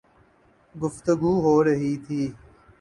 گفتگو ہو رہی تھی